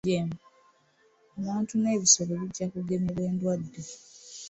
Abantu n'ebisolo bijja kugemebwa endwadde.